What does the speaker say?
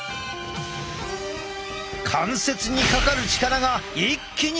関節にかかる力が一気に増えた！